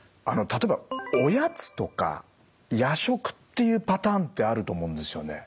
例えばおやつとか夜食っていうパターンってあると思うんですよね。